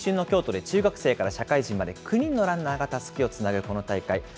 新春の京都で中学生から社会人まで９人のランナーがたすきをつなぐこの大会。